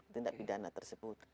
tindak pidana tersebut